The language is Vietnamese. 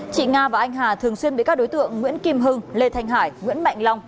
chị nga và anh hà thường xuyên bị các đối tượng nguyễn kim hưng lê thanh hải nguyễn mạnh long